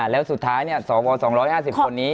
แล้วสุดท้ายสว๒๕๐คนนี้